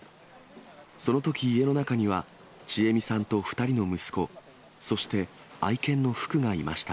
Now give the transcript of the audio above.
そのとき、家の中には千恵美さんと２人の息子、そして愛犬の福がいました。